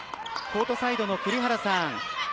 コートサイドの栗原さん。